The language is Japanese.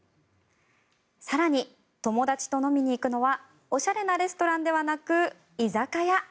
更に、友達と飲みに行くのはおしゃれなレストランではなく居酒屋。